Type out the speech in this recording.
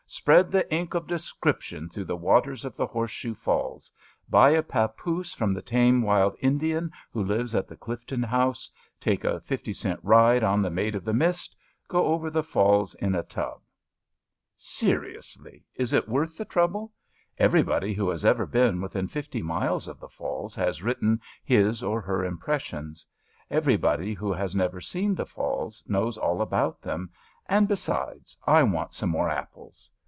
'^ Spread the ink of de scription through the waters of the Horseshoe falls — ^buy a papoose from the tame wild Indian who lives at the Clifton House — ^take a fifty cent ride on the Maid of the Mist — ^go over the falls in a tub. Seriously, is it worth the trouble! Every body who has ever been within fifty miles of the falls has written his or her impressions. Every body who has never seen the falls knows all about them, and — ^besides, I want some more apples.